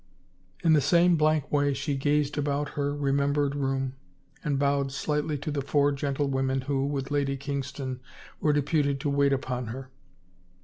In the same blank way she gazed about her remem bered room and bowed slightly to the four gentle women who, with Lady Kingston, were deputed to wait upon her.